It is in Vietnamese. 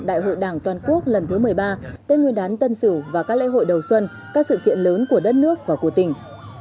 đại hội đảng toàn quốc lần thứ một mươi ba tết nguyên đán tân sửu và các lễ hội đầu xuân các sự kiện lớn của đất nước và của tỉnh